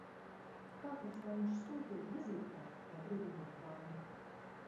Kāpēc lai viņš sūtītu vizītkarti, lai brīdinātu banku?